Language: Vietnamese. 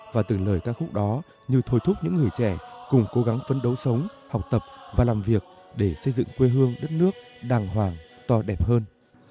và từ lời ca khúc đó như thôi thúc những người trẻ cùng cố gắng phấn đấu sống học tập và làm việc để xây dựng quê hương đất nước đàng hoàng to đẹp hơn